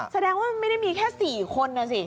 แสดงว่ามันไม่ได้มีแค่๔คนนะสิ